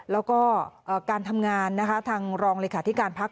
แล้วก็การทำงานนะคะทางรองเลขาธิการพัก